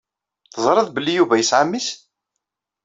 Teẓṛiḍ belli Yuba yesɛa mmi-s?